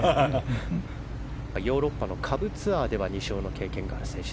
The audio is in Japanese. ヨーロッパの下部ツアーで２勝の経験のある選手。